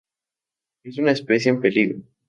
Es una especie en peligro.